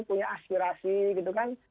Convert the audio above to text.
punya aspirasi gitu kan